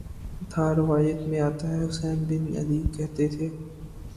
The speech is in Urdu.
تھا روایات میں آتا ہے حسین بن علی کہتے تھے